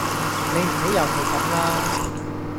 你唔好又係咁啦